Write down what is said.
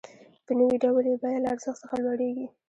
په نوي ډول یې بیه له ارزښت څخه لوړېږي